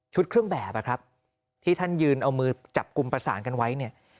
ชุดเครื่องแบบที่ท่านยืนเอามือจับกุมประสานกันไว้